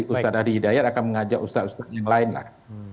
ustadz adi hidayat akan mengajak ustadz ustadz yang lain lah